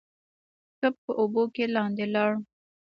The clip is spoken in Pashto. کب په اوبو کې لاندې لاړ.